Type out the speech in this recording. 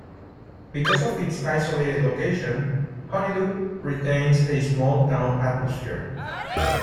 Because of its isolated location, Honeydew retains a small town atmosphere.